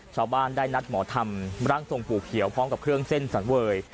ชาวบ้านได้นัดหมอทำร่างทรงปู่เขียวพร้อมกับเครื่องเส้นสังเวย